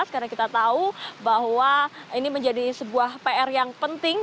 karena kita tahu bahwa ini menjadi sebuah pr yang penting